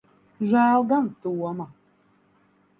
Žēl gan Toma.